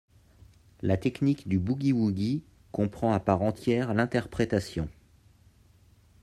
La technique du boogie-woogie comprend à part entière l'interprétation.